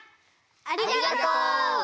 ありがとう！